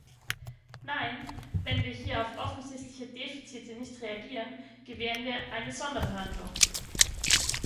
Nein, wenn wir hier auf offensichtliche Defizite nicht reagieren, gewähren wir eine Sonderbehandlung.